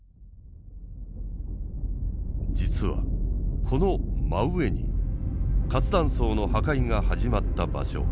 実はこの真上に活断層の破壊が始まった場所